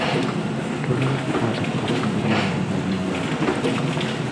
Tolina kukwata ku bitundu by’omubiri ebiweweevu.